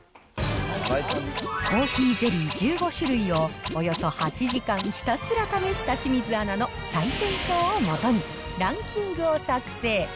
コーヒーゼリー１５種類を、およそ８時間ひたすら試した清水アナの採点表を基にランキングを作成。